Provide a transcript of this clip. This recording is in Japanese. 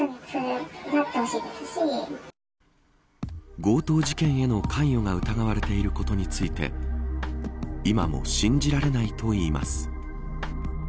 強盗事件への関与が疑われていることについて今も信じられないといいます。